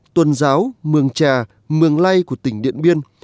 tuần giáo mường trà mường lay của tỉnh điện biên